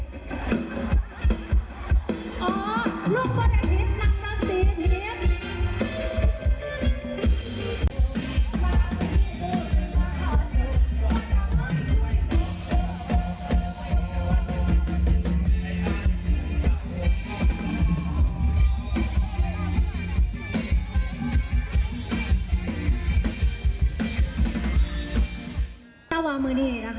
อ๋อลูกบรรยาทิตย์นักนอนสีอีท